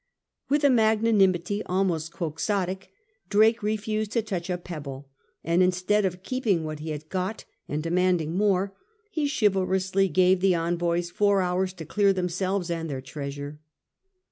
With a magnanimity almost quixotic, Drake refused to touch a pebble, and instead of keeping what he had got and demanding more, he chivalrously gave the envoys four hours to clear them selves and their treasure.